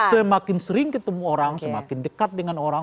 semakin sering ketemu orang semakin dekat dengan orang